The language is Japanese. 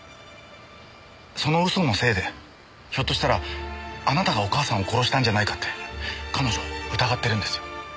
その嘘のせいでひょっとしたらあなたがお母さんを殺したんじゃないかって彼女疑ってるんですよ。